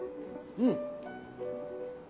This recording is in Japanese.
うん！